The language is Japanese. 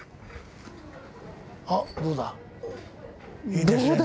あっどうだ？